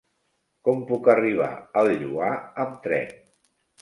Com puc arribar al Lloar amb tren?